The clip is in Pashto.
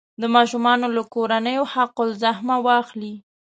د ماشومانو له کورنیو حق الزحمه واخلي.